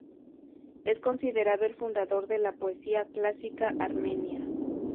Es considerado el fundador de la poesía clásica armenia.